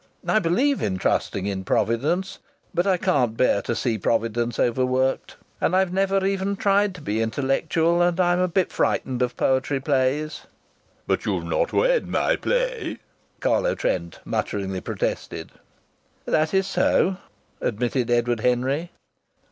I believe in trusting in providence, but I can't bear to see providence overworked. And I've never even tried to be intellectual, and I'm a bit frightened of poetry plays " "But you've not read my play!" Carlo Trent mutteringly protested. "That is so," admitted Edward Henry.